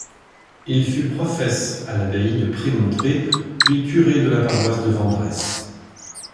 Il fut profès à l'abbaye de Prémontré puis curé de la paroisse de Vendresse.